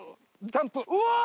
ジャンプ。